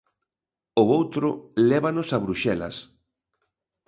O outro lévanos a Bruxelas.